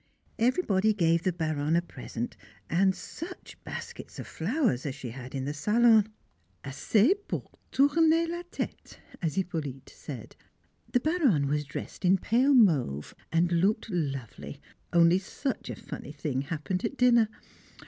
Everybody gave the Baronne a present, and such baskets of flowers as she had in the salon! "Assez pour tourner la tête," as Hippolyte said. The Baronne was dressed in pale mauve and looked lovely, only such a funny thing happened at dinner.